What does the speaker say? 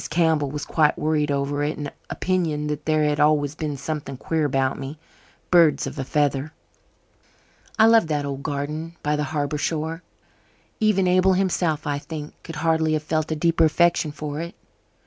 Campbell was quite worried over it, and opined that there had always been something queer about me. "Birds of a feather." I loved that old garden by the harbour shore. Even Abel himself, I think, could hardly have felt a deeper affection for it.